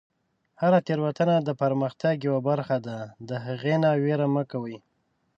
هره تیروتنه د پرمختګ یوه برخه ده، د هغې نه ویره مه کوئ.